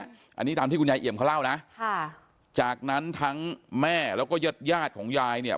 อันนี้ตามที่คุณยายเอี่ยมเขาเล่านะค่ะจากนั้นทั้งแม่แล้วก็ญาติยาดของยายเนี่ย